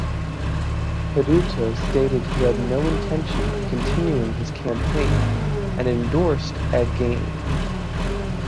Peduto stated he had no intention of continuing his campaign and endorsed Ed Gainey.